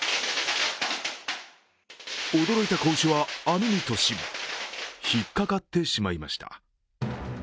驚いた子牛は網に突進引っかかってしまいました。